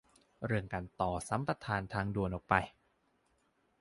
เรื่องการต่อสัญญาสัมปทานทางด่วนออกไป